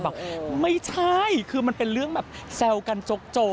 บอกไม่ใช่คือมันเป็นเรื่องแบบแซวกันโจ๊กโจ